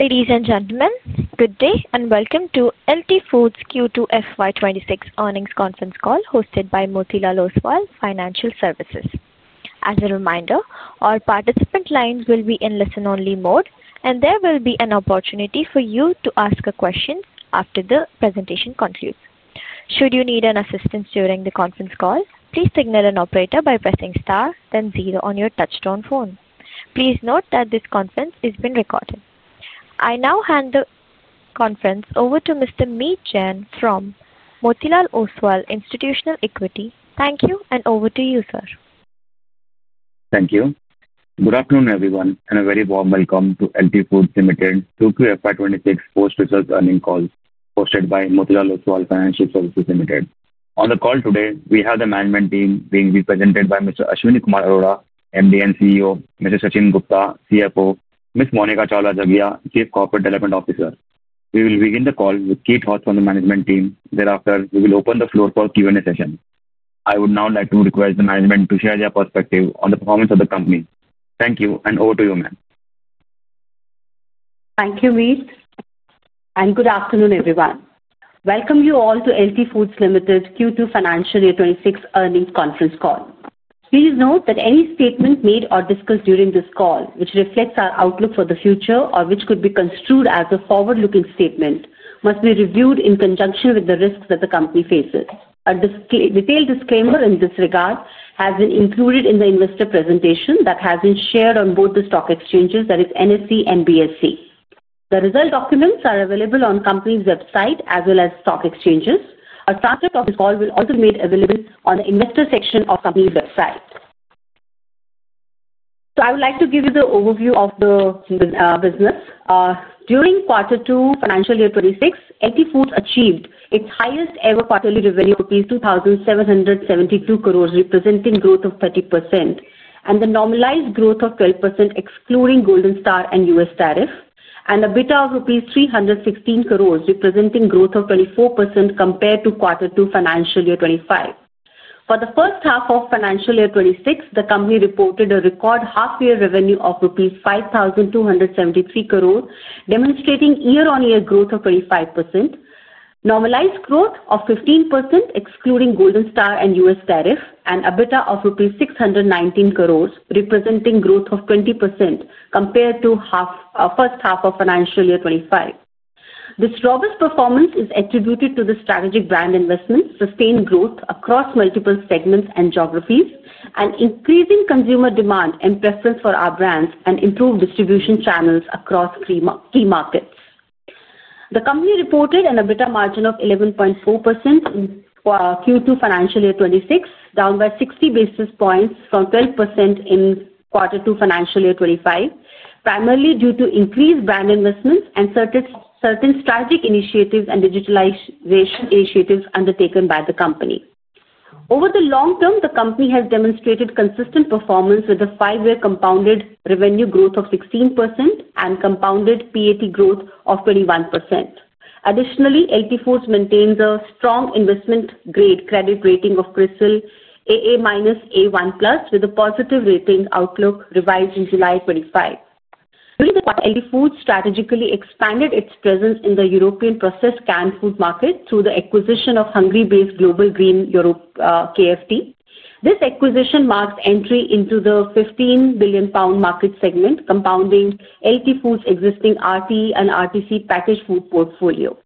Ladies and gentlemen, good day and welcome to LT Foods Q2 FY 2026 earnings conference call hosted by Motilal Oswal Financial Services. As a reminder, our participant lines will be in listen-only mode, and there will be an opportunity for you to ask a question after the presentation concludes. Should you need assistance during the conference call, please signal an operator by pressing star, then zero on your touchstone phone. Please note that this conference is being recorded. I now hand the conference over to Mr. Meet Jain from Motilal Oswal Institutional Equity. Thank you, and over to you, sir. Thank you. Good afternoon, everyone, and a very warm welcome to LT Foods Limited Q2 FY 2026 post-results earnings call hosted by Motilal Oswal Financial Services. On the call today, we have the management team being represented by Mr. Ashwani Kumar Arora, MD and CEO; Mr. Sachin Gupta, CFO; Ms. Monika Chawla Jaggia, Chief Corporate Development Officer. We will begin the call with comments from the management team. Thereafter, we will open the floor for a Q&A session. I would now like to request the management to share their perspective on the performance of the company. Thank you, and over to you, ma'am. Thank you, Meet. Good afternoon, everyone. Welcome you all to LT Foods Limited Q2 financial year 2026 earnings conference call. Please note that any statement made or discussed during this call, which reflects our outlook for the future or which could be construed as a forward-looking statement, must be reviewed in conjunction with the risks that the company faces. A detailed disclaimer in this regard has been included in the investor presentation that has been shared on both the stock exchanges, that is, NSE and BSE. The result documents are available on the company's website as well as stock exchanges. A transcript of this call will also be made available on the investor section of the company's website. I would like to give you the overview of the business. During quarter two financial year 2026, LT Foods achieved its highest-ever quarterly revenue of 2,772 crore, representing growth of 30%, and the normalized growth of 12%, excluding Golden Star and U.S. tariff, and EBITDA of rupees 316 crore, representing growth of 24% compared to quarter two financial year 2025. For the first half of financial year 2026, the company reported a record half-year revenue of rupees 5,273 crore, demonstrating year-on-year growth of 25%. Normalized growth of 15%, excluding Golden Star and U.S. tariff, and EBITDA of INR 619 crore, representing growth of 20% compared to the first half of financial year 2025. This robust performance is attributed to the strategic brand investments, sustained growth across multiple segments and geographies, increasing consumer demand and preference for our brands, and improved distribution channels across key markets. The company reported an EBITDA margin of 11.4% in Q2 financial year 2026, down by 60 basis points from 12% in quarter two financial year 2025, primarily due to increased brand investments and certain strategic initiatives and digitalization initiatives undertaken by the company. Over the long term, the company has demonstrated consistent performance with a five-year compounded revenue growth of 16% and compounded PAT growth of 21%. Additionally, LT Foods maintains a strong investment-grade credit rating of CRISIL AA- /A1+ with a positive rating outlook revised in July 2025. LT Foods strategically expanded its presence in the European processed canned food market through the acquisition of Hungary-based Global Green Europe Kft. This acquisition marks entry into the 15 billion pound market segment, compounding LT Foods' existing RTE and RTC packaged food portfolio.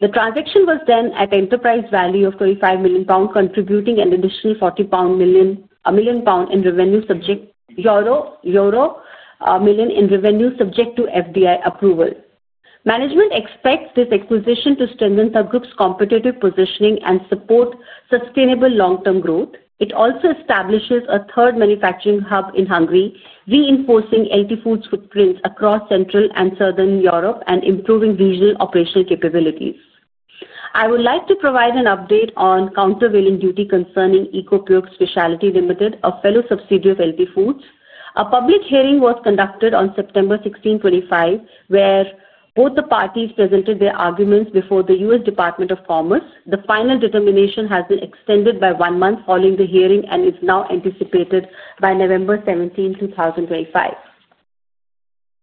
The transaction was done at an enterprise value of 25 million pound, contributing an additional 40 million pound in revenue, subject to 1 million euro in revenue subject to FDI approval. Management expects this acquisition to strengthen the group's competitive positioning and support sustainable long-term growth. It also establishes a third manufacturing hub in Hungary, reinforcing LT Foods' footprint across Central and Southern Europe and improving regional operational capabilities. I would like to provide an update on countervailing duty concerning Ecopure Specialties Limited, a fellow subsidiary of LT Foods. A public hearing was conducted on September 16, 2025, where both the parties presented their arguments before the U.S. Department of Commerce. The final determination has been extended by one month following the hearing and is now anticipated by November 17, 2025.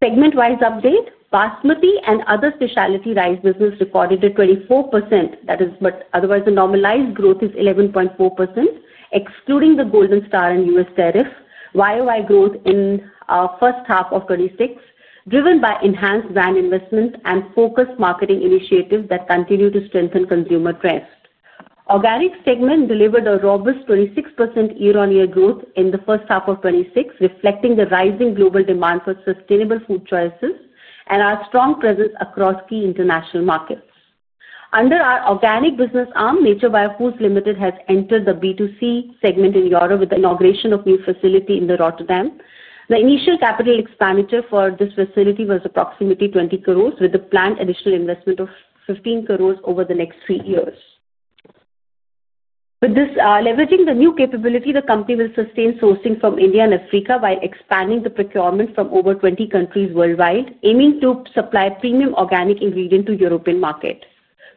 Segment-wise update, Basmati and other specialty rice businesses recorded a 24% growth, but otherwise the normalized growth is 11.4%, excluding the Golden Star and U.S. tariff. Year-on-year growth in the first half of 2026 was driven by enhanced brand investment and focused marketing initiatives that continue to strengthen consumer trust. The organic segment delivered a robust 26% year-on-year growth in the first half of 2026, reflecting the rising global demand for sustainable food choices and our strong presence across key international markets. Under our organic business arm, Nature Bio Foods Limited has entered the B2C segment in Europe with the inauguration of a new facility in Rotterdam. The initial capital expenditure for this facility was approximately 20 crores, with a planned additional investment of 15 crores over the next three years. With this, leveraging the new capability, the company will sustain sourcing from India and Africa while expanding procurement from over 20 countries worldwide, aiming to supply premium organic ingredients to the European market.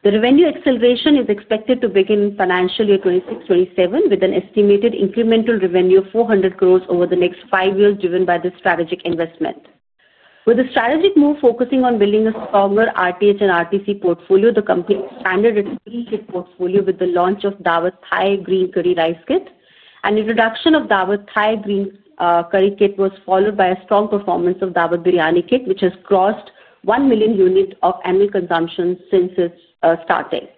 The revenue acceleration is expected to begin in financial year 2026-2027, with an estimated incremental revenue of 400 crores over the next five years, driven by this strategic investment. With the strategic move focusing on building a stronger RTE and RTC portfolio, the company expanded its three-kit portfolio with the launch of Daawat Thai Green Curry Rice Kit. The introduction of Daawat Thai Green Curry Kit was followed by a strong performance of Daawat Biryani Kit, which has crossed one million units of annual consumption since its starting.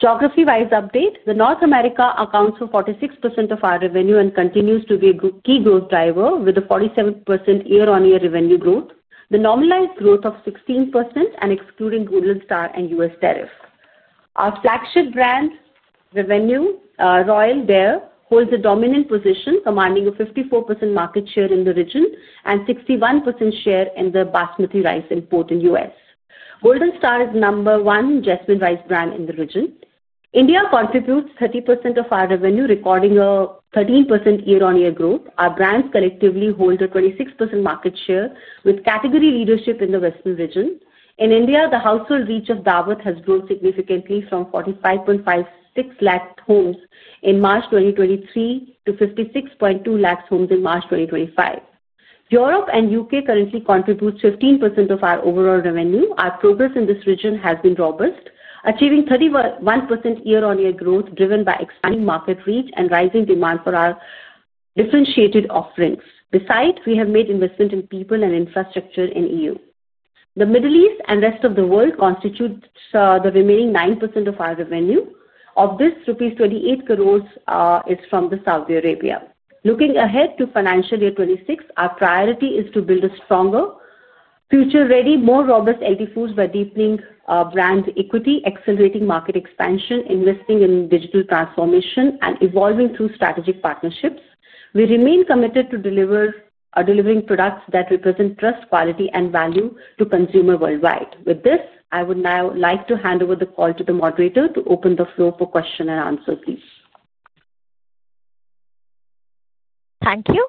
Geography-wise update, North America accounts for 46% of our revenue and continues to be a key growth driver, with a 47% year-on-year revenue growth, the normalized growth of 16%, and excluding Golden Star and U.S. tariff. Our flagship brand revenue, Royal, holds a dominant position, commanding a 54% market share in the region and a 61% share in the Basmati rice import in the U.S. Golden Star is the number one Jasmine rice brand in the region. India contributes 30% of our revenue, recording a 13% year-on-year growth. Our brands collectively hold a 26% market share, with category leadership in the Western region. In India, the household reach of Daawat has grown significantly from 4.556 million homes in March 2023 to 5.62 million homes in March 2025. Europe and the U.K. currently contribute 15% of our overall revenue. Our progress in this region has been robust, achieving 31% year-on-year growth, driven by expanding market reach and rising demand for our differentiated offerings. Besides, we have made investment in people and infrastructure in the EU. The Middle East and the rest of the world constitute the remaining 9% of our revenue. Of this, rupees 280 million is from Saudi Arabia. Looking ahead to financial year 2026, our priority is to build a stronger, future-ready, more robust LT Foods by deepening brand equity, accelerating market expansion, investing in digital transformation, and evolving through strategic partnerships. We remain committed to delivering products that represent trust, quality, and value to consumers worldwide. With this, I would now like to hand over the call to the moderator to open the floor for questions and answers, please. Thank you.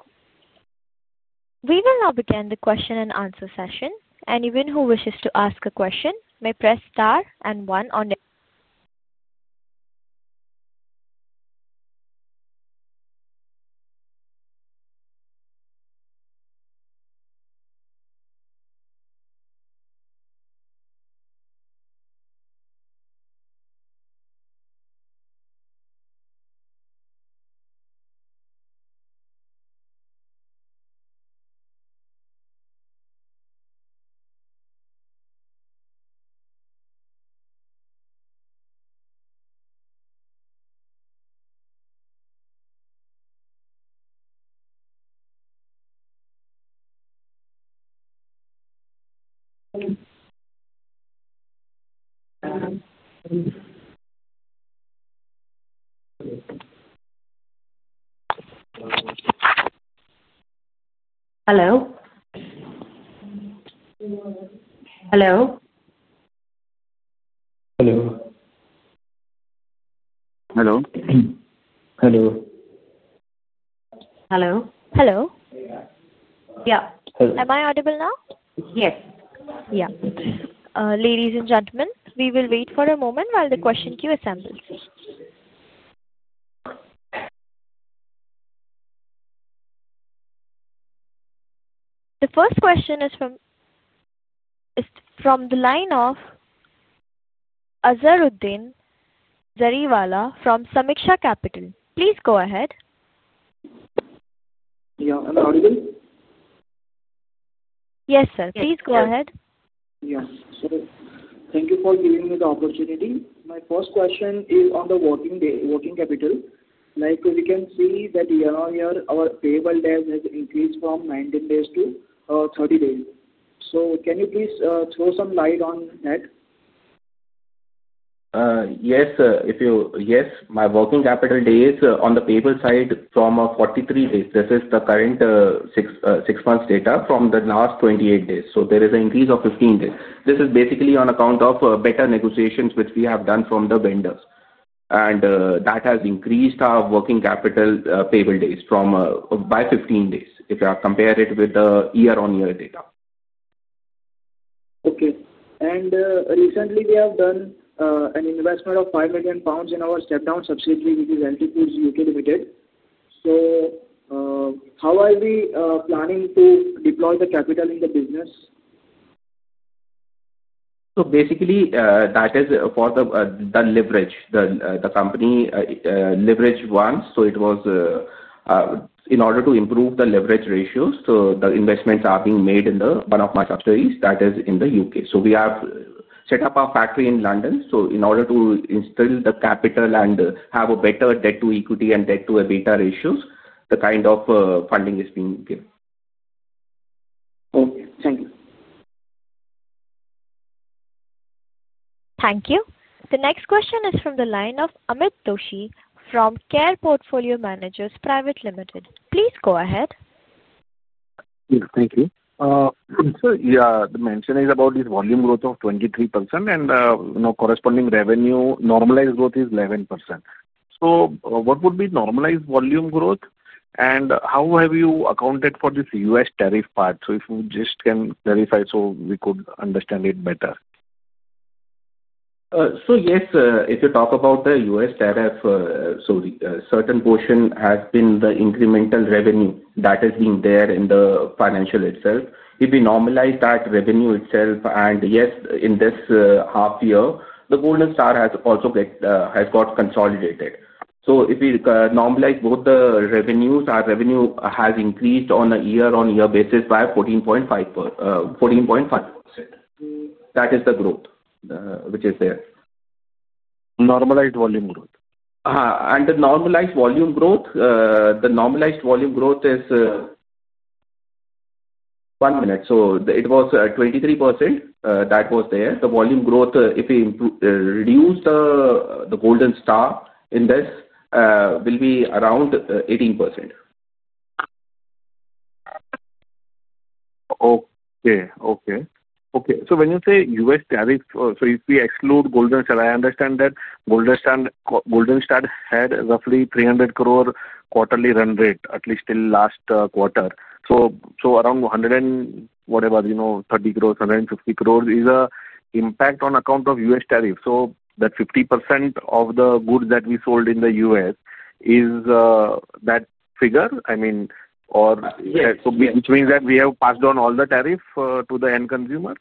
We will now begin the question-and-answer session. Anyone who wishes to ask a question may press star and one. Am I audible now? Yes. Ladies and gentlemen, we will wait for a moment while the question queue assembles. The first question is from the line of Azharuddin Jariwala from Sameeksha Capital. Please go ahead. Yeah, am I audible? Yes, sir. Please go ahead. Thank you for giving me the opportunity. My first question is on the working day working capital. We can see that year-on-year, our payable days have increased from 19 days-30 days. Can you please throw some light on that? Yes, sir. My working capital days on the payable side are 43 days. This is the current six-month data, up from the last 28 days. There is an increase of 15 days. This is basically on account of better negotiations which we have done with the vendors. That has increased our working capital payable days by 15 days if you compare it with the year-on-year data. Okay. Recently, we have done an investment of 5 million pounds in our step-down subsidiary, which is LT Foods UK Limited. How are we planning to deploy the capital in the business? That is for the leverage. The company leveraged once. It was in order to improve the leverage ratios. The investments are being made in one of my subsidiaries, that is in the U.K. We have set up our factory in London. In order to instill the capital and have a better debt-to-equity and debt-to-EBITDA ratios, the kind of funding is being given. Okay, thank you. Thank you. The next question is from the line of Amit Doshi from Care Portfolio Managers Private Limited. Please go ahead. Thank you. The mention is about this volume growth of 23% and corresponding revenue normalized growth is 11%. What would be normalized volume growth? How have you accounted for this U.S. tariff part? If you just can clarify so we could understand it better. Yes, if you talk about the U.S. tariff, a certain portion has been the incremental revenue that has been there in the financial itself. If we normalize that revenue itself, and yes, in this half year, the Golden Star has also got consolidated. If we normalize both the revenues, our revenue has increased on a year-on-year basis by 14.5%. That is the growth which is there. Normalized volume growth? The normalized volume growth is 23%. The volume growth, if we reduce the Golden Star in this, will be around 18%. Okay. When you say U.S. tariff, if we exclude Golden Star, I understand that Golden Star had roughly 300 crore quarterly run rate, at least till last quarter. Around 130 crores, 150 crores is an impact on account of U.S. tariff. That 50% of the goods that we sold in the U.S. is that figure? I mean, or yes. Which means that we have passed on all the tariff to the end consumer?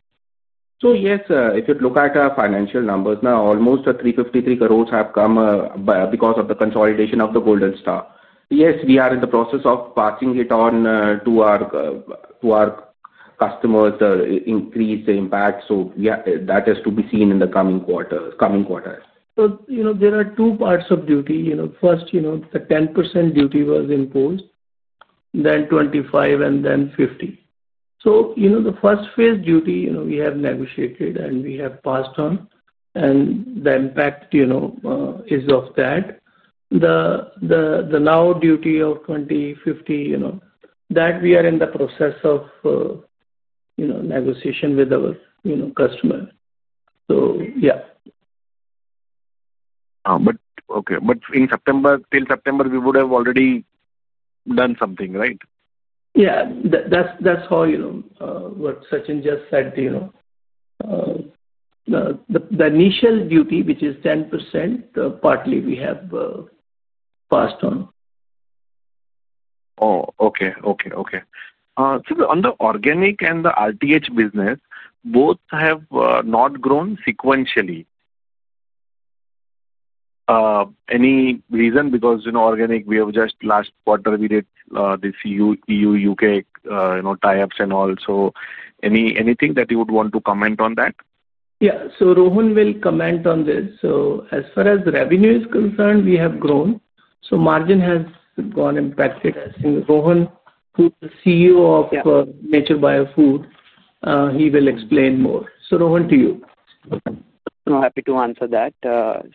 Yes, if you look at our financial numbers now, almost 353 crore have come because of the consolidation of the Golden Star. We are in the process of passing it on to our customers, the increased impact. That has to be seen in the coming quarter. There are two parts of duty. First, the 10% duty was imposed, then 25%, and then 50%. The first phase duty, we have negotiated and we have passed on, and the impact is of that. The now duty of 25%, 50%, that we are in the process of negotiation with our customer. Okay. In September, till September, we would have already done something, right? Yeah, that's how. What Sachin just said, the initial duty, which is 10%, partly we have passed on. Okay. On the organic and the RTE/RTC business, both have not grown sequentially. Any reason? Because organic, we have just last quarter, we did this EU-U.K. tie-ups and all. Anything that you would want to comment on that? Yeah. Rohan will comment on this. As far as revenue is concerned, we have grown. Margin has gone impacted. Rohan, who's the CEO of Nature Bio Foods, will explain more. Rohan, to you. I'm happy to answer that.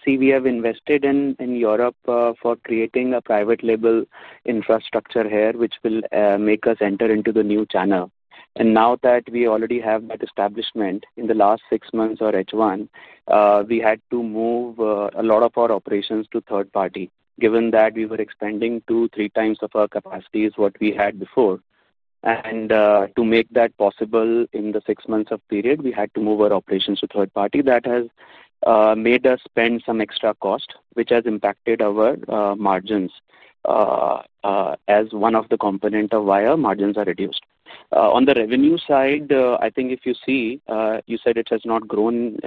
See, we have invested in Europe for creating a private label infrastructure here, which will make us enter into the new channel. Now that we already have that establishment in the last six months or H1, we had to move a lot of our operations to third party. Given that we were expanding two, three times of our capacity is what we had before, to make that possible in the six months of period, we had to move our operations to third party. That has made us spend some extra cost, which has impacted our margins, as one of the components of why our margins are reduced. On the revenue side, I think if you see, you said it has not grown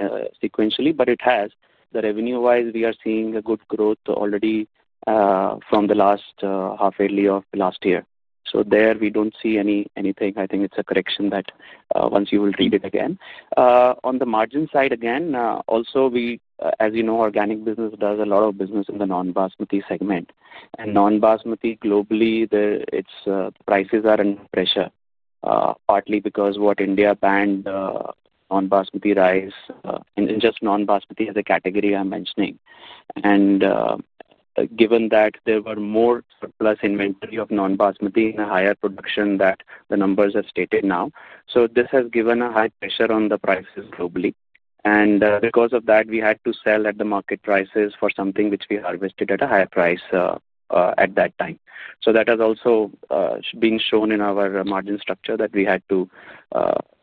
sequentially, but it has. Revenue-wise, we are seeing a good growth already from the last half-yearly of last year. There, we don't see anything. I think it's a correction that once you will read it again. On the margin side, also, as you know, organic business does a lot of business in the non-basmati segment. Non-basmati, globally, its prices are under pressure, partly because India banned non-basmati rice, and just non-basmati as a category I'm mentioning. Given that there were more surplus inventory of non-basmati and a higher production that the numbers have stated now, this has given a high pressure on the prices globally. Because of that, we had to sell at the market prices for something which we harvested at a higher price at that time. That has also been shown in our margin structure that we had to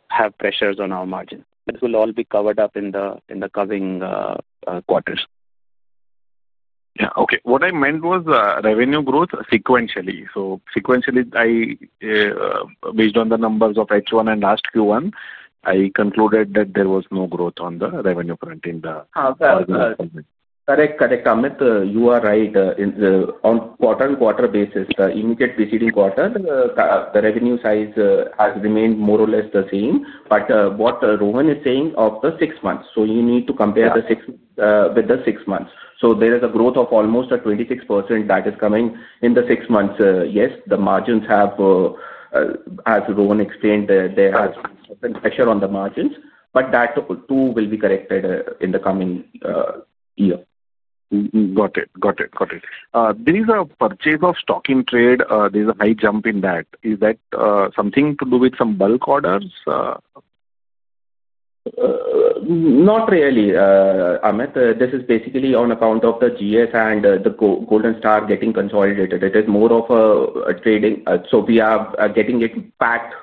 have pressures on our margin. This will all be covered up in the coming quarters. Okay. What I meant was revenue growth sequentially. Sequentially, based on the numbers of H1 and last Q1, I concluded that there was no growth on the revenue front. Correct. Correct. Amit, you are right. On quarter-on-quarter basis, the immediate preceding quarter, the revenue size has remained more or less the same. What Rohan is saying of the six months, you need to compare with the six months. There is a growth of almost 26% that is coming in the six months. Yes, the margins have, as Rohan explained, there has been pressure on the margins. That too will be corrected in the coming year. Got it. There is a purchase of stock in trade. There's a high jump in that. Is that something to do with some bulk orders? Not really, Amit. This is basically on account of the GS and the Golden Star getting consolidated. It is more of a trading. We are getting it packed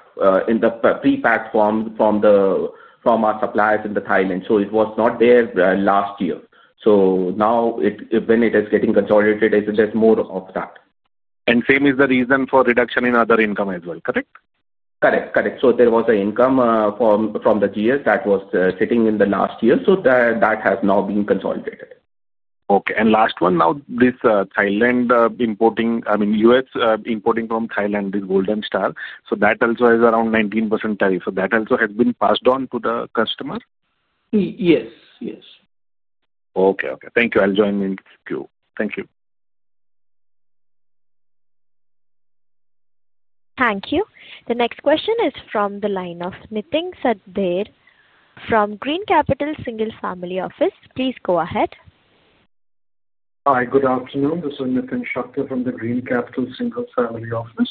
in the pre-packed form from our suppliers in Thailand. It was not there last year. Now, when it is getting consolidated, it is more of that. That is the reason for reduction in other income as well. Correct? Correct. Correct. There was an income from the GS that was sitting in the last year. That has now been consolidated. Okay. Last one, now, this Thailand importing, I mean, U.S. importing from Thailand, this Golden Star. That also has around 19% tariff. That also has been passed on to the customer? Yes. Yes. Okay. Thank you. I'll join in the queue. Thank you. Thank you. The next question is from the line of Nitin Shakdher from Green Capital Single Family Office. Please go ahead. Hi. Good afternoon. This is Nitin Shakdher from the Green Capital Single Family Office.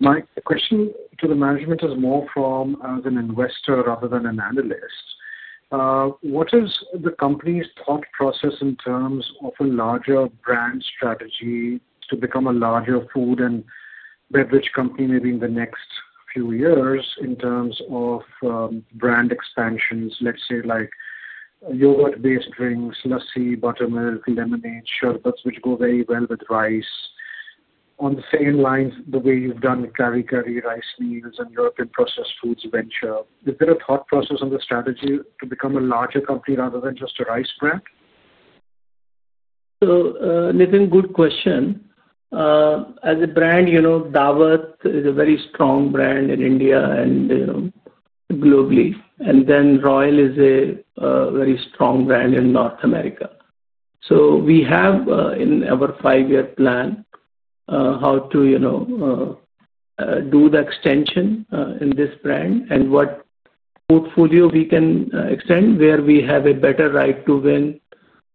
My question to the management is more from as an investor rather than an analyst. What is the company's thought process in terms of a larger brand strategy to become a larger food and beverage company maybe in the next few years in terms of brand expansions, let's say like yogurt-based drinks, lassi, buttermilk, lemonade, sherbets, which go very well with rice. On the same lines, the way you've done curry curry, rice meals, and European processed foods venture, is there a thought process on the strategy to become a larger company rather than just a rice brand? Good question. As a brand, Daawat is a very strong brand in India and globally. Royal is a very strong brand in North America. We have in our five-year plan how to do the extension in this brand and what portfolio we can extend where we have a better right to win,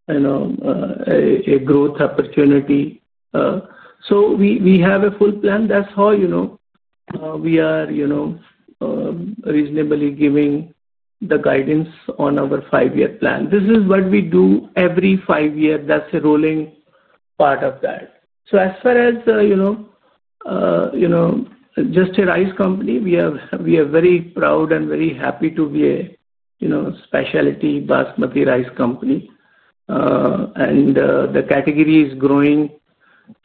a growth opportunity. We have a full plan. That's how we are reasonably giving the guidance on our five-year plan. This is what we do every five years. That's the rolling part of that. As far as just a rice company, we are very proud and very happy to be a specialty Basmati rice company. The category is growing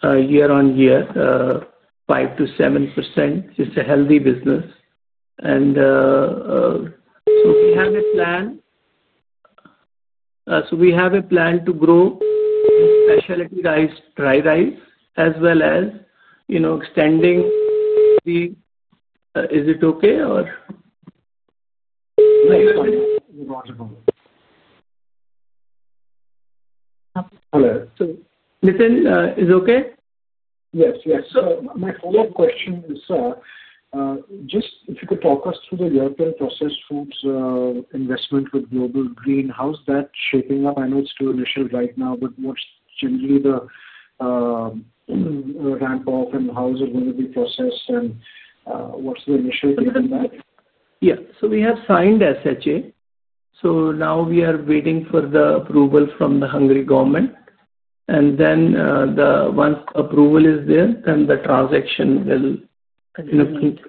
year on year, 5%-7%. It's a healthy business. We have a plan to grow specialty rice, dry rice, as well as extending. Is it okay or? Yes. Hello. Nitin. Is it okay? Yes. Yes. My follow-up question is, if you could talk us through the European processed foods investment with Global Green Europe Kft, how's that shaping up? I know it's too initial right now, but what's generally the ramp-off and how is it going to be processed, and what's the initial date on that? Yeah. We have signed SHA. We are waiting for the approval from the Hungary government. Once the approval is there, the transaction will proceed.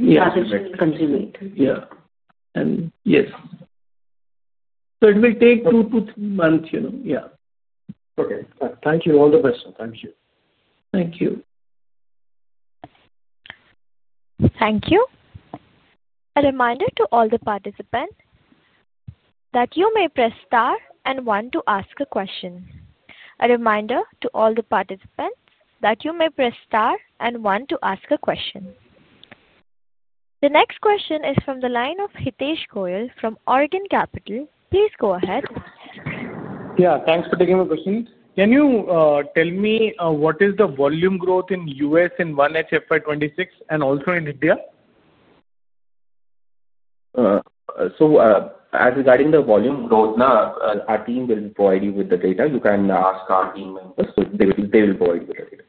Yes, it will take two to three months. Okay. Thank you. All the best. Thank you. Thank you. Thank you. A reminder to all the participants that you may press star and one to ask a question. The next question is from the line of Hitesh Goyal from Oregon Capital. Please go ahead. Yeah. Thanks for taking my question. Can you tell me what is the volume growth in the U.S. in 1H FY 2026 and also in India? Regarding the volume growth, our team will provide you with the data. You can ask our team members, they will provide you with the data.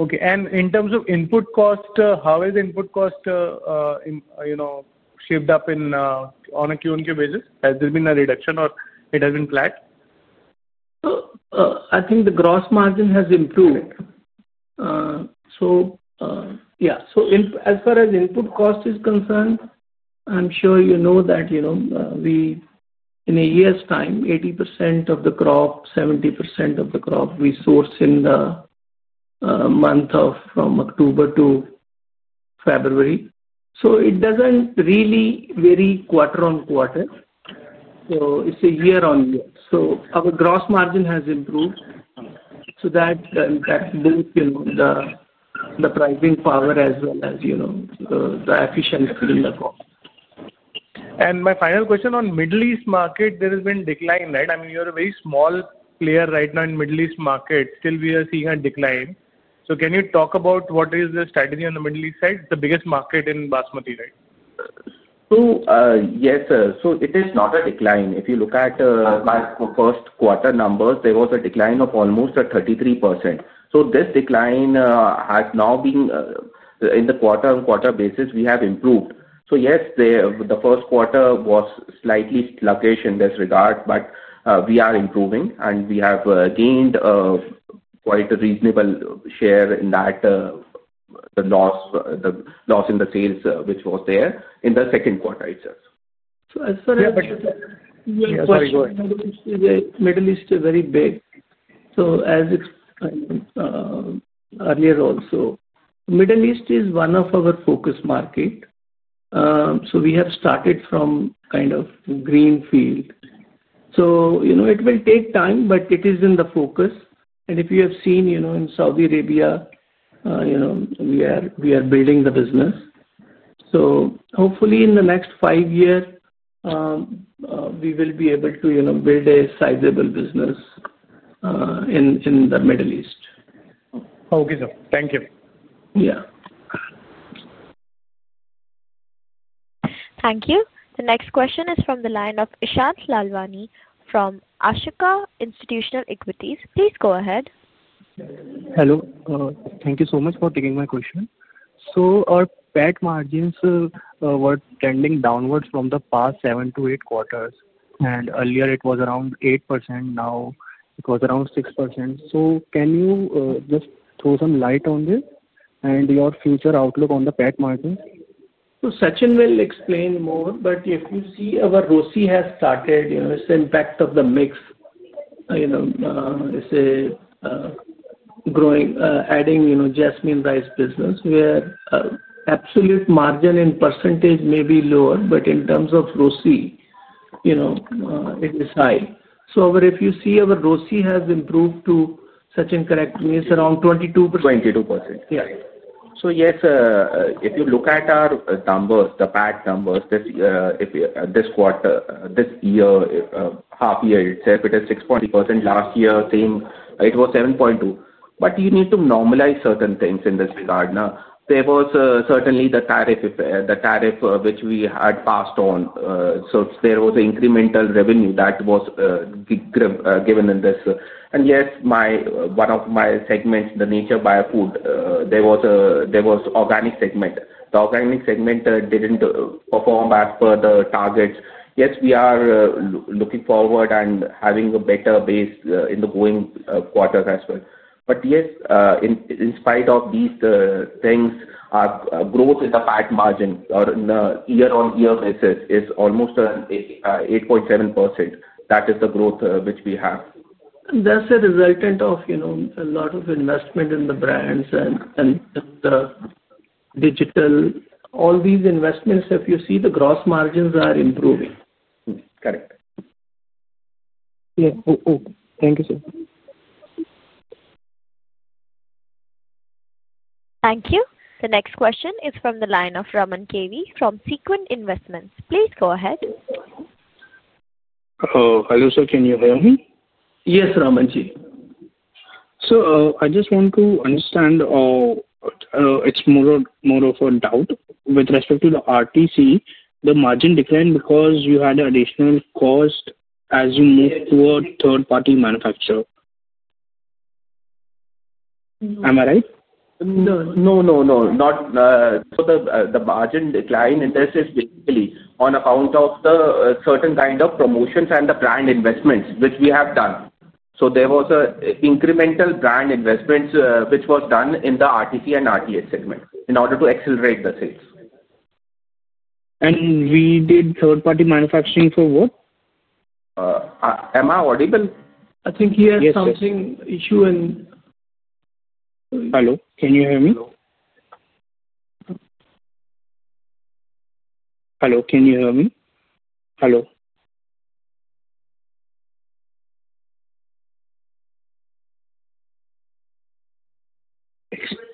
Okay. In terms of input cost, how has input cost shaped up on a Q1 basis? Has there been a reduction or it has been flat? I think the gross margin has improved. As far as input cost is concerned, I'm sure you know that in a year's time, 80% of the crop, 70% of the crop, we source in the month of October to February. It doesn't really vary quarter-on-quarter. It's a year on year. Our gross margin has improved. That impacts both the pricing power as well as the efficiency in the cost. My final question on the Middle East market, there has been a decline, right? I mean, you're a very small player right now in the Middle East market. Still, we are seeing a decline. Can you talk about what is the strategy on the Middle East side? It's the biggest market in Basmati, right? It is not a decline. If you look at my first quarter numbers, there was a decline of almost 33%. This decline has now been, in the quarter-on-quarter basis, we have improved. The first quarter was slightly sluggish in this regard, but we are improving. We have gained quite a reasonable share in that, the loss in the sales which was there in the second quarter itself. As far as. Yeah. But. Middle East. Middle East is very big. As it's earlier also, Middle East is one of our focus markets. We have started from kind of green field. It will take time, but it is in the focus. If you have seen in Saudi Arabia, we are building the business. Hopefully in the next five years, we will be able to build a sizable business in the Middle East. Okay, thank you. Yeah. Thank you. The next question is from the line of Ishant Lalwani from Ashika Institutional Equities. Please go ahead. Hello. Thank you so much for taking my question. Our PAT margins were trending downwards from the past seven to eight quarters. Earlier, it was around 8%. Now, it was around 6%. Can you just throw some light on this and your future outlook on the PAT margins? Sachin will explain more. If you see our ROSI has started, it's the impact of the mix. It's adding Jasmine rice business where absolute margin in percentage may be lower, but in terms of ROSI, it is high. If you see our ROSI has improved to, Sachin, correct me, it's around 22%. 22%.If you look at our numbers, the PAT numbers, this year half-year, it's 6.2%. Last year, same, it was 7.2%. You need to normalize certain things in this regard. There was certainly the tariff which we had passed on. There was an incremental revenue that was given in this. One of my segments, the Nature Bio Foods, there was an organic segment. The organic segment didn't perform as per the targets. We are looking forward and having a better base in the going quarter as well. In spite of these things, our growth in the PAT margin or in the year-on-year basis is almost 8.7%. That is the growth which we have. That's a resultant of a lot of investment in the brands and the digital. All these investments, if you see, the gross margins are improving. Correct. Yes, thank you, sir. Thank you. The next question is from the line of Raman KV from Sequent Investments. Please go ahead. Hello, sir. Can you hear me? Yes, Raman ji. I just want to understand. It's more of a doubt with respect to the RTC, the margin declined because you had additional cost as you moved toward third-party manufacturer. Am I right? No. Not. The margin decline is basically on account of the certain kind of promotions and the brand investments which we have done. There was an incremental brand investment which was done in the RTC and RTE segment in order to accelerate the sales. We did third-party manufacturing for what? Am I audible? I think you had some issue in. Hello? Can you hear me? Hello, can you hear me? Hello?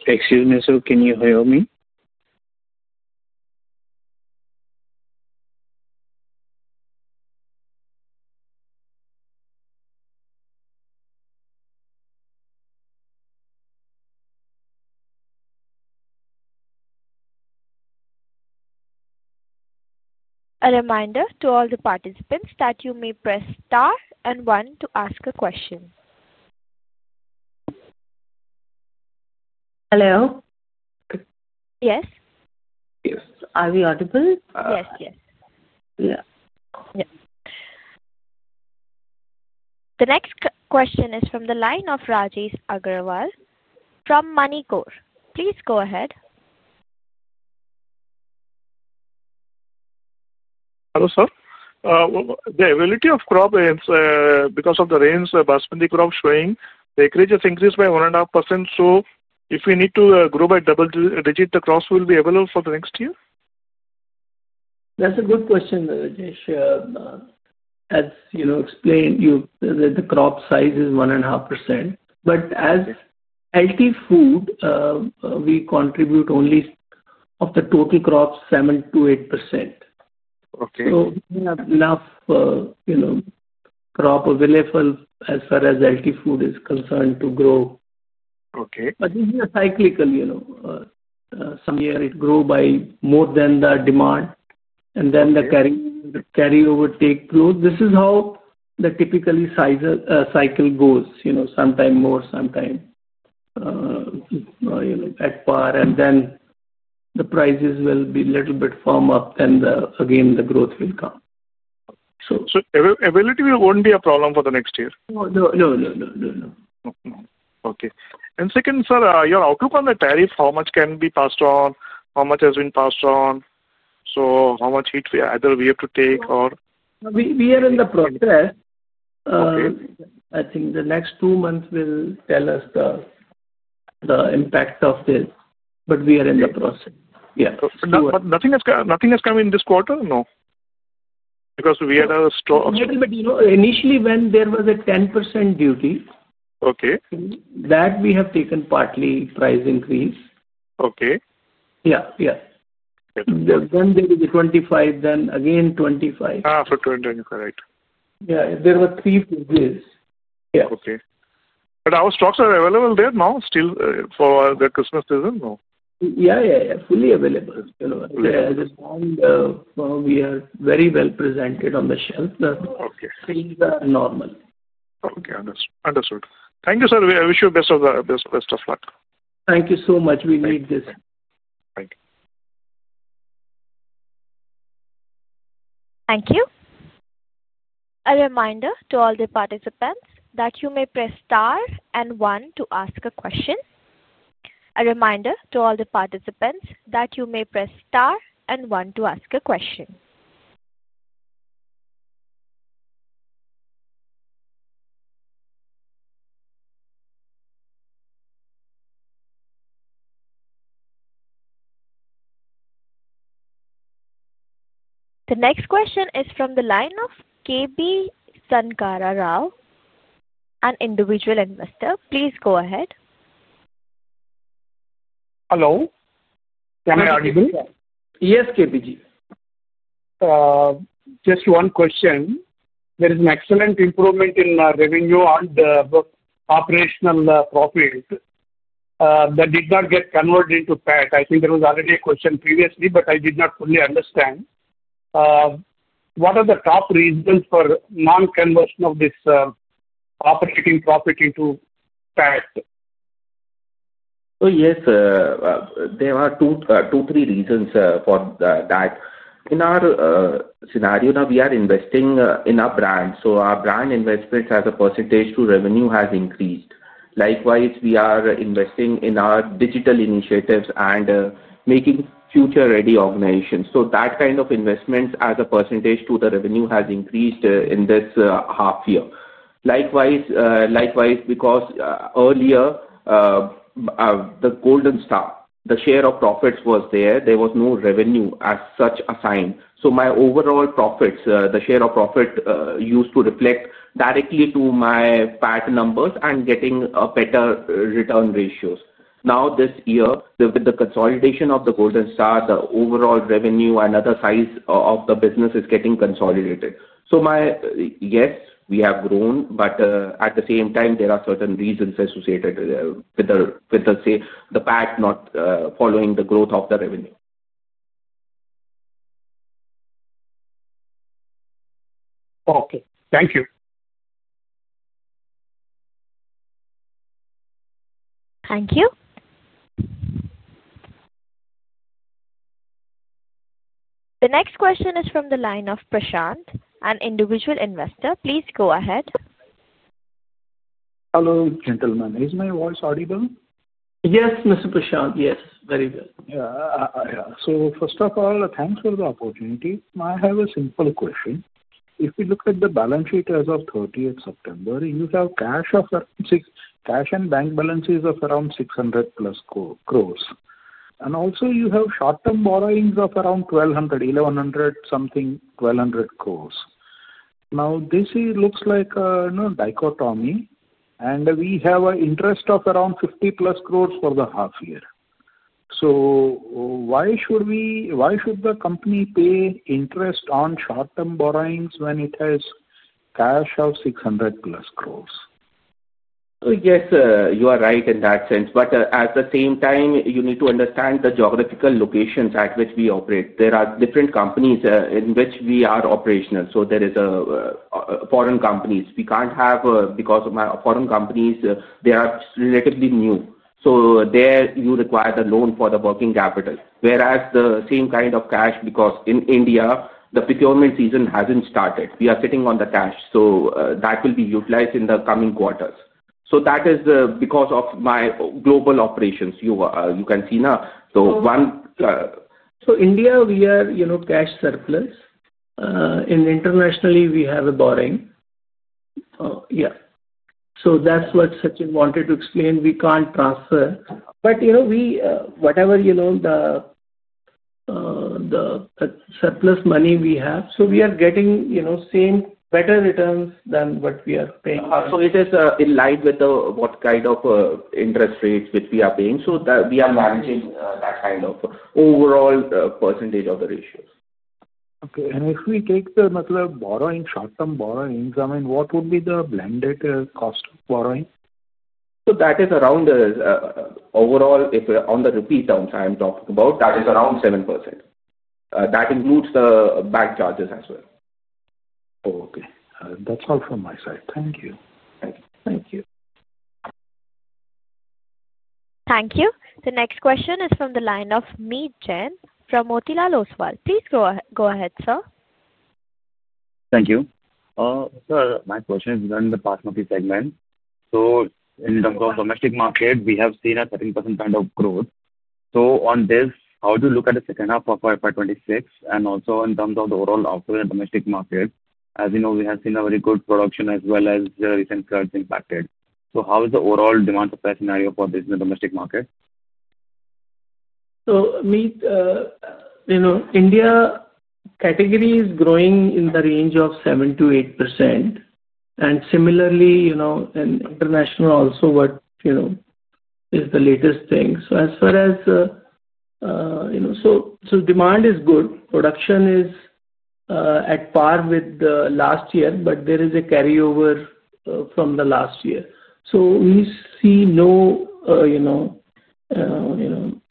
Excuse me, sir. Can you hear me? A reminder to all the participants that you may press star and one to ask a question. Yeah. The next question is from the line of Rajesh Agarwal from Manikor. Please go ahead. Hello, sir. The ability of crop is because of the rains, Basmati crop showing acreages increased by 1.5%. If we need to grow by double digit, the crops will be available for the next year? That's a good question, Rajesh. As explained, the crop size is 1.5%. As healthy food, we contribute only 7% -8% of the total crops. Okay. We have enough crop available as far as healthy food is concerned to grow. Okay. This is cyclical. Some years, it grew by more than the demand, and then the carryover takes growth. This is how the typical cycle goes. Sometimes more, sometimes at par, and then the prices will be a little bit firm up. Again, the growth will come. Ability won't be a problem for the next year? No. No. No. No. No. Okay. Second, sir, your outlook on the tariff, how much can be passed on? How much has been passed on? How much heat either we have to take? We are in the process. Okay. I think the next two months will tell us the impact of this. We are in the process. Yeah. Nothing has come in this quarter. No, because we had a storm. A little bit. Initially, when there was a 10% duty. Okay. We have taken partly price increase. Okay. Yeah. Yeah. Okay. There is a 2025, then again 2025. for 2025. Right. Yeah, there were three phases. Yes. Okay. Are our stocks available there now still for the Christmas season? Yeah. Yeah. Fully available. Okay. As long as we are very well presented on the shelf. Okay. Things are normal. Okay. Understood. Thank you, sir. I wish you the best of luck. Thank you so much. We need this. Thank you. Thank you. A reminder to all the participants that you may press star and one to ask a question. The next question is from the line of KB Sankara Rao, an individual investor. Please go ahead. Hello. Am I audible? Yes, KB ji. Just one question. There is an excellent improvement in revenue and operational profit. That did not get converted into PAT. I think there was already a question previously, but I did not fully understand. What are the top reasons for non-conversion of this operating profit into PAT? Yes, there are two or three reasons for that. In our scenario, we are investing in our brand. Our brand investments as a % to revenue have increased. Likewise, we are investing in our digital initiatives and making future-ready organizations. That kind of investment as a % to the revenue has increased in this half-year. Likewise, earlier, the Golden Star, the share of profits was there, there was no revenue as such assigned. My overall profits, the share of profit used to reflect directly to my PAT numbers and getting better return ratios. Now, this year, with the consolidation of the Golden Star, the overall revenue and other size of the business is getting consolidated. We have grown, but at the same time, there are certain reasons associated with the PAT not following the growth of the revenue. Okay, thank you. Thank you. The next question is from the line of Prashant, an individual investor. Please go ahead. Hello, gentlemen. Is my voice audible? Yes, Mr. Prashant. Yes, very well. First of all, thanks for the opportunity. I have a simple question. If we look at the balance sheet as of 30th September, you have cash and bank balances of around 600 crore+. You also have short-term borrowings of around 1,100-something, 1,200 crore. This looks like a dichotomy. We have an interest of around 50 crore+ for the half-year. Why should the company pay interest on short-term borrowings when it has cash of 600 crore+? Yes, you are right in that sense. At the same time, you need to understand the geographical locations at which we operate. There are different companies in which we are operational. There are foreign companies. We can't have because foreign companies, they are relatively new. There, you require the loan for the working capital, whereas the same kind of cash, because in India, the procurement season hasn't started. We are sitting on the cash. That will be utilized in the coming quarters. That is because of my global operations. You can see now. One. In India, we are cash surplus. Internationally, we have a borrowing. That's what Sachin wanted to explain. We can't transfer. Whatever surplus money we have, we are getting better returns than what we are paying. It is in line with what kind of interest rates which we are paying. We are managing that kind of overall % of the ratios. Okay. If we take the borrowing, short-term borrowings, what would be the blended cost of borrowing? Overall, on the repeat terms I am talking about, that is around 7%. That includes the bank charges as well. Okay. That's all from my side. Thank you. Thank you. Thank you. Thank you. The next question is from the line of Meet Jain from Motilal Oswal. Please go ahead, sir. Thank you. Sir, my question is regarding the Basmati segment. In terms of domestic market, we have seen a 7% kind of growth. On this, how do you look at the second half of 2026? Also, in terms of the overall outlook in the domestic market, as you know, we have seen a very good production as well as recent currency impacted. How is the overall demand supply scenario for this in the domestic market? India category is growing in the range of 7%-8%. Similarly, in international also, what is the latest thing? As far as demand is good, production is at par with last year, but there is a carryover from last year. We see no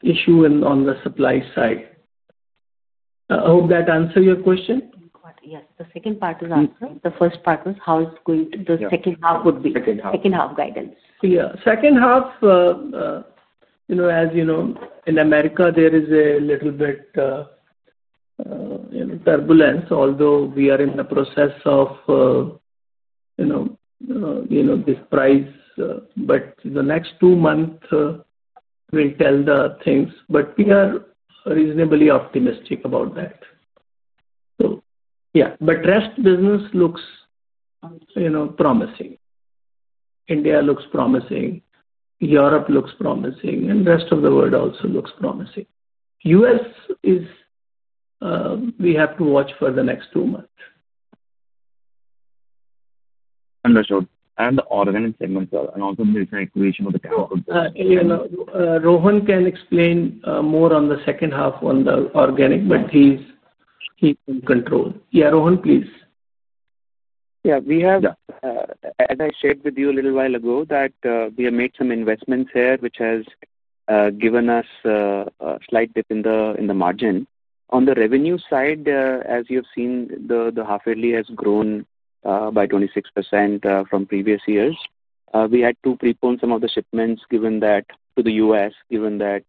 issue on the supply side. I hope that answers your question. Yes, the second part is answered. The first part was how it's going to the second half would be. Second half. Second half guidance. Yeah. Second half. As you know, in the U.S., there is a little bit of turbulence, although we are in the process of this price. The next two months will tell the things. We are reasonably optimistic about that. Rest of the business looks promising. India looks promising. Europe looks promising. The rest of the world also looks promising. U.S. is, we have to watch for the next two months. Understood. The organic segment, sir, and also the different equation of the cash. Rohan can explain more on the second half on the organic, but he's in control. Yeah, Rohan, please. Yeah. We have, as I shared with you a little while ago, made some investments here, which has given us a slight dip in the margin. On the revenue side, as you have seen, the half-yearly has grown by 26% from previous years. We had to prepone some of the shipments to the U.S., given that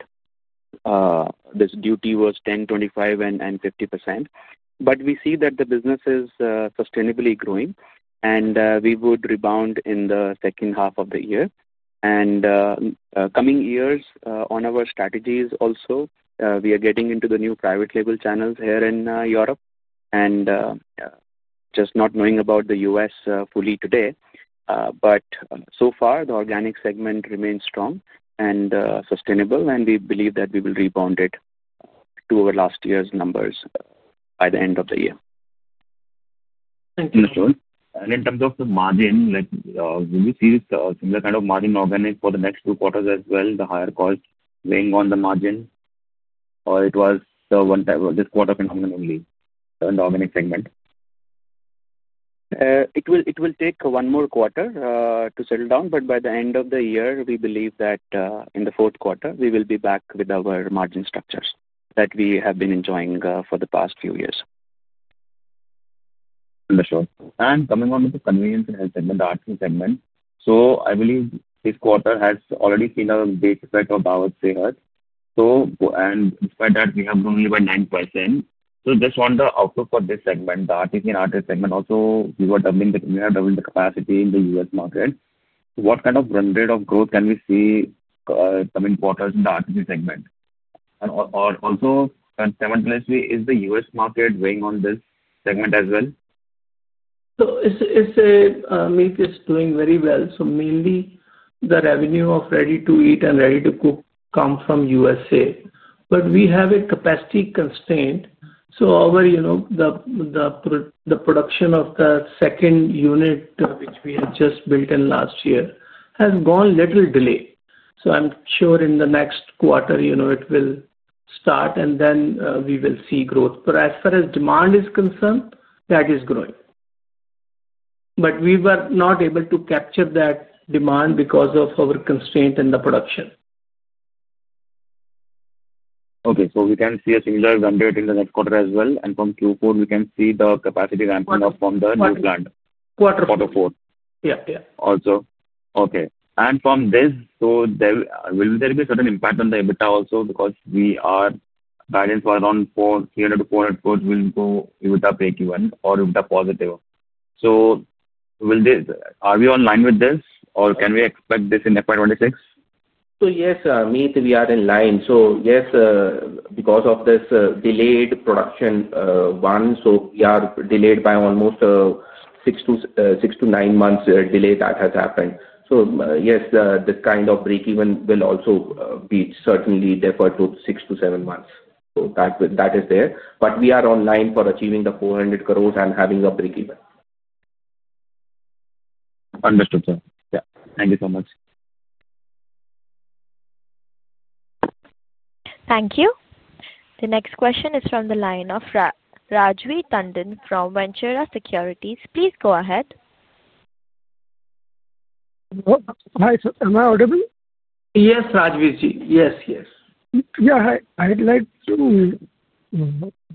this duty was 10%, 25%, and 50%. We see that the business is sustainably growing. We would rebound in the second half of the year. In coming years, on our strategies also, we are getting into the new private label channels here in Europe. Not knowing about the U.S. fully today, so far, the organic segment remains strong and sustainable. We believe that we will rebound to our last year's numbers by the end of the year. Thank you. In terms of the margin, will we see similar kind of margin organic for the next two quarters as well, the higher cost weighing on the margin? Or was it this quarter phenomenon only, the organic segment? It will take one more quarter to settle down. By the end of the year, we believe that in the fourth quarter, we will be back with our margin structures that we have been enjoying for the past few years. Understood. Coming on to the convenience and health segment, the arts segment, I believe this quarter has already seen a big effect of our state health. Despite that, we have grown only by 9%. Just on the outlook for this segment, the artisan artists segment, also we were doubling the we have doubled the capacity in the U.S. market. What kind of blended growth can we see in coming quarters in the artisan segment? Consequently, is the U.S. market weighing on this segment as well? Meet is doing very well. Mainly, the revenue of ready-to-eat and ready-to-cook comes from the U.S.A., but we have a capacity constraint. The production of the second unit, which we had just built last year, has gone a little delay. I'm sure in the next quarter, it will start, and then we will see growth. As far as demand is concerned, that is growing, but we were not able to capture that demand because of our constraint in the production. We can see a similar blended in the next quarter as well, and from Q4, we can see the capacity ramping up from the new plant. Quarter four. Quarter four. Okay. Will there be a certain impact on the EBITDA also? We are guidance for around 300 crore to 400 crore EBITDA Q1 or EBITDA positive. Are we on line with this? Can we expect this in FY 2026? Yes, Meet, we are in line. Yes, because of this delayed production, we are delayed by almost six to nine months. This kind of break-even will also be certainly deferred to six to seven months. That is there, but we are on line for achieving the 400 crores and having a break-even. Understood, sir. Thank you so much. Thank you. The next question is from the line of Rajveer Tandon from Ventura Securities. Please go ahead. Hi. Am I audible? Yes, Rajveer ji. Yes, yes. Yeah, I'd like to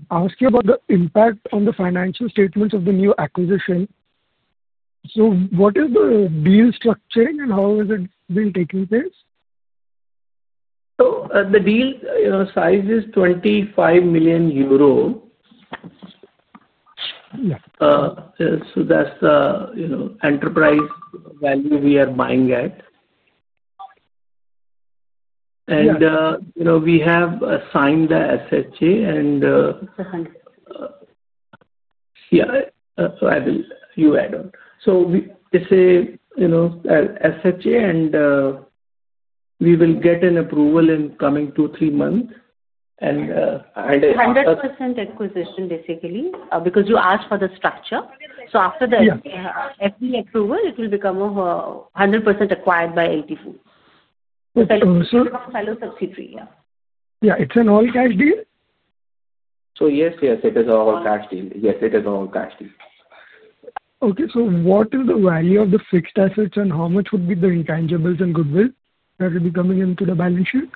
ask you about the impact on the financial statements of the new acquisition. What is the deal structure and how has it been taking place? The deal size is 25 million euro. That's the enterprise value we are buying at. We have assigned the SHA. Yeah, you add on. It's a SHA, and we will get an approval in coming two, three months. And it. 100% acquisition, basically, because you asked for the structure. After the FDI approval, it will become 100% acquired by LT Fellow subsidiary. Yeah. Yeah. It's an all-cash deal? Yes, it is an all-cash deal. Yes, it is an all-cash deal. Okay. What is the value of the fixed assets, and how much would be the intangibles and goodwill that will be coming into the balance sheet?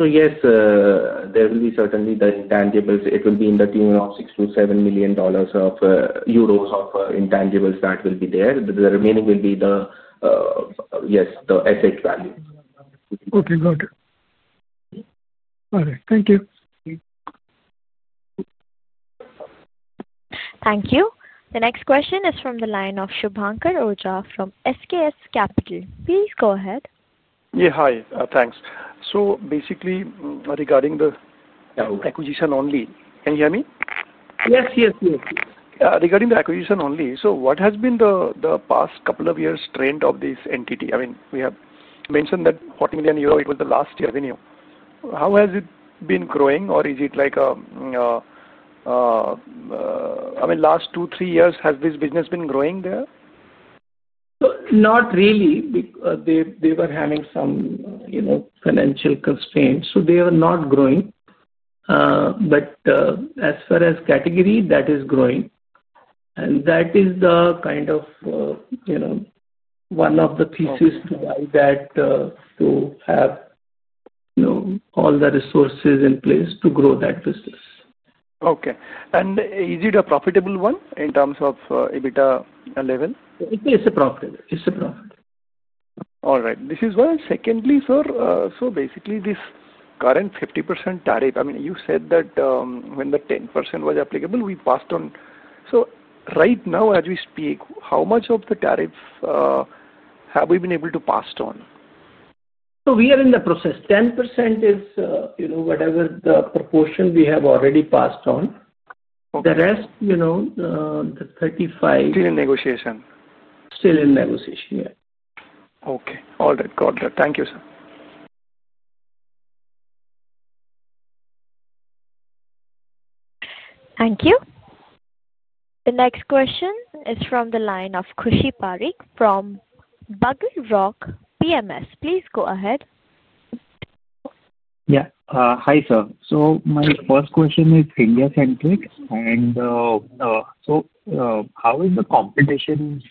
Yes, there will be certainly the intangibles. It will be in the tune of EUR 6 million-EUR 7 million of intangibles that will be there. The remaining will be the asset value. Okay. Got it. All right. Thank you. Thank you. The next question is from the line of Shubhankar Oja from SKS Capital. Please go ahead. Hi. Thanks. Basically, regarding the acquisition only. Can you hear me? Yes, yes, yes. Regarding the acquisition only, what has been the past couple of years' trend of this entity? I mean, we have mentioned that 40 million euro was the last revenue. How has it been growing, or is it like, in the last two, three years, has this business been growing there? They were having some financial constraints, so they are not growing. As far as category, that is growing, and that is one of the theses to buy that, to have all the resources in place to grow that business. Okay. Is it a profitable one in terms of EBITDA level? It's a profit. All right. This is why, secondly, sir, basically, this current 50% tariff, I mean, you said that when the 10% was applicable, we passed on. Right now, as we speak, how much of the tariffs have we been able to pass on? We are in the process. 10% is whatever the proportion we have already passed on. The rest, the 35. Still in negotiation? Still in negotiation. Yeah. Okay. All right. Got it. Thank you, sir. Thank you. The next question is from the line of Krushi Parekh from BugleRock PMS. Please go ahead. Hi, sir. My first question is India-centric. How is the competition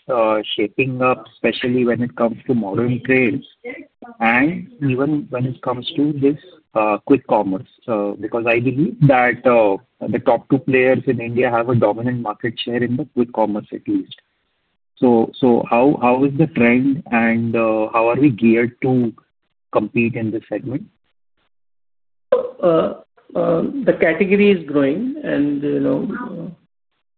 shaping up, especially when it comes to modern trades? Even when it comes to this quick commerce, I believe that the top two players in India have a dominant market share in the quick commerce at least. How is the trend, and how are we geared to compete in this segment? The category is growing.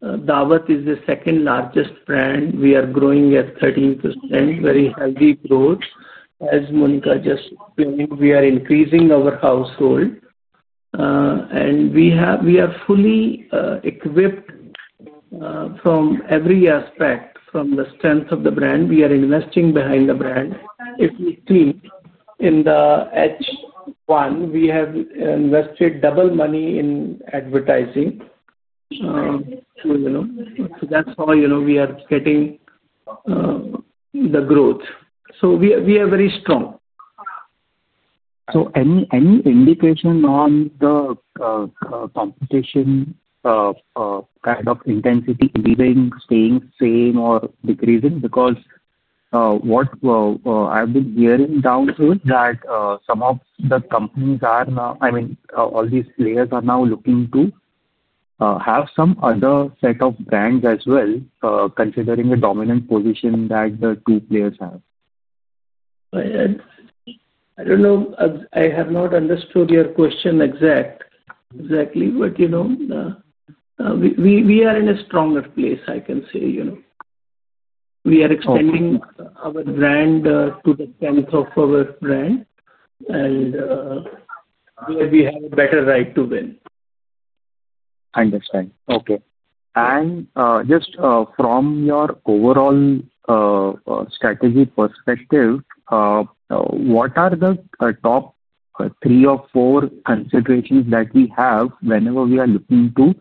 Daawat is the second largest brand. We are growing at 30%, very heavy growth. As Monika just explained, we are increasing our household. We are fully equipped from every aspect, from the strength of the brand. We are investing behind the brand. If we think in the H1, we have invested double money in advertising. That is how we are getting the growth. We are very strong. Any indication on the competition intensity leaving, staying the same, or decreasing? What I've been hearing downstream is that some of the companies are now, I mean, all these players are now looking to have some other set of brands as well, considering the dominant position that the two players have. I don't know. I have not understood your question exactly. We are in a stronger place, I can say. We are extending our brand to the strength of our brand. We have a better right to win. Understood. Okay. Just from your overall strategy perspective, what are the top three or four considerations that we have whenever we are looking to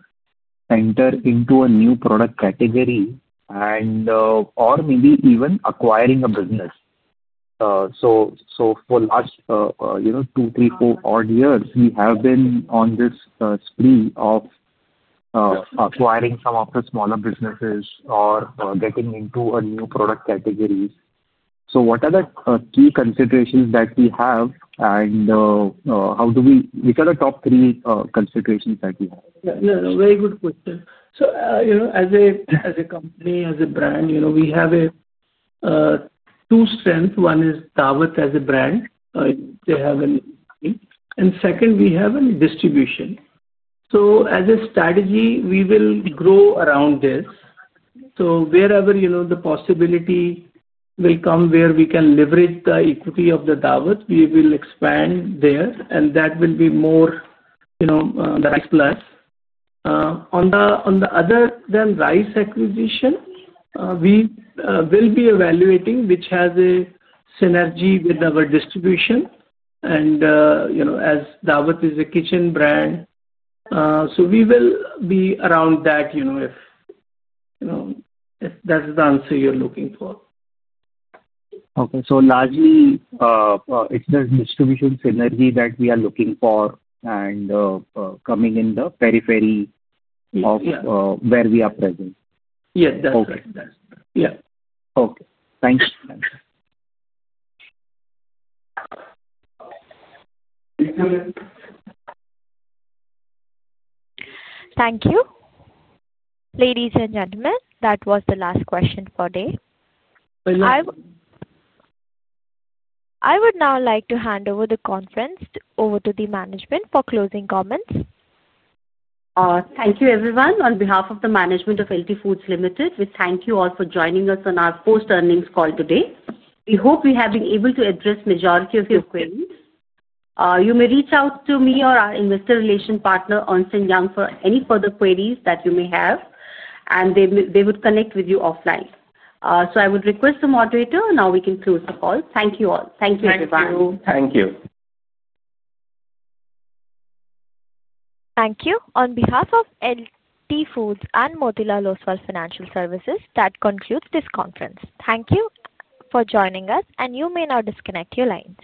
enter into a new product category or maybe even acquiring a business? For the last two, three, four odd years, we have been on this spree of acquiring some of the smaller businesses or getting into a new product category. What are the key considerations that we have? Which are the top three considerations that we have? Yeah. Very good question. As a company, as a brand, we have two strengths. One is Daawat as a brand. They have an equity. Second, we have a distribution. As a strategy, we will grow around this. Wherever the possibility will come where we can leverage the equity of the Daawat, we will expand there. That will be more the right plus. Other than rice acquisition, we will be evaluating which has a synergy with our distribution. As Daawat is a kitchen brand, we will be around that if that's the answer you're looking for. Okay. It's the distribution synergy that we are looking for, coming in the periphery of where we are present. Yes, that's right. That's right. Yeah. Okay, thank you. Thank you. Ladies and gentlemen, that was the last question for today. I would now like to hand over the conference to the management for closing comments. Thank you, everyone. On behalf of the management of LT Foods Limited, we thank you all for joining us on our post-earnings call today. We hope we have been able to address the majority of your queries. You may reach out to me or our investor relation partner, Onsen Yang, for any further queries that you may have. They would connect with you offline. I would request the moderator. Now we can close the call. Thank you all. Thank you, everyone. Thank you. Thank you. On behalf of LT Foods and Motilal Oswal Financial Services, that concludes this conference. Thank you for joining us, and you may now disconnect your lines.